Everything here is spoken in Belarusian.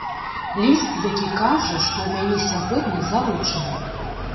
Ліст, які кажа, што ў мяне сягоння заручыны.